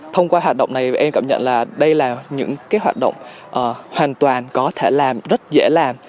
thông qua hoạt động này em cảm nhận là đây là những hoạt động hoàn toàn có thể làm rất dễ làm